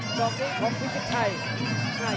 กรรมนี้ของพี่ชิคชัย